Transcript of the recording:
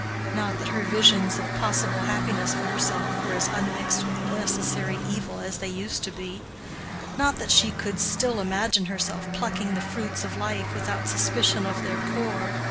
Not that her visions of possible happiness for herself were as unmixed with necessary evil as they used to be—not that she could still imagine herself plucking the fruits of life without suspicion of their core.